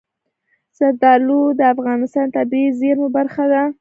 زردالو د افغانستان د طبیعي زیرمو برخه ده.